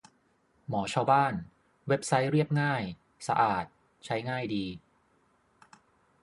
หมอชาวบ้าน เว็บไซต์เรียบง่าย สะอาด ใช้ง่ายดี